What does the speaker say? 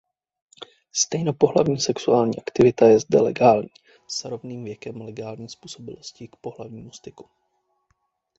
Stejnopohlavní sexuální aktivita je zde legální s rovným věkem legální způsobilosti k pohlavnímu styku.